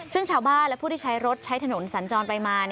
ซึ่งชาวบ้านและผู้ที่ใช้รถใช้ถนนสัญจรไปมา